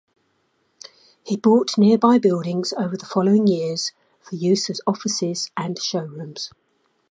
He bought nearby buildings over the following years for use as offices and showrooms.